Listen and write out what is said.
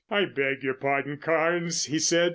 "I beg your pardon, Carnes," he said.